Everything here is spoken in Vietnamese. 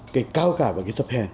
cái cao cả và cái tấp hèn